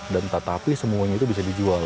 dan tetapi semuanya itu bisa dijual